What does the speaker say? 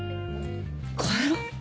帰ろう